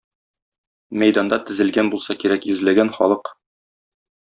Мәйданда тезелгән булса кирәк йөзләгән халык.